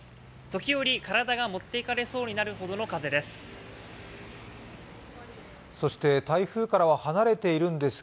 時折体が持っていかれそうになるほどの風です。